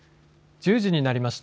１０時になりました。